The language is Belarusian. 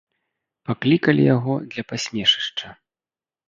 Паклікалі яго для пасмешышча.